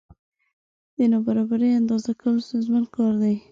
د نابرابرۍ اندازه کول ستونزمن کار دی.